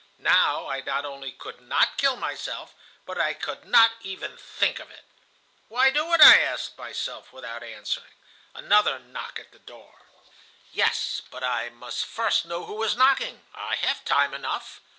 Now I not only could not kill myself, but I could not even think of it. "'Why do it?' I asked myself, without answering. "Another knock at the door. "'Yes, but I must first know who is knocking. I have time enough.